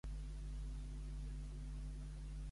Qui és Maria Dolors Farrés?